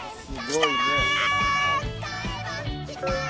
きた！